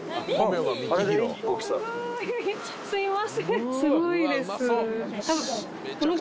すいません。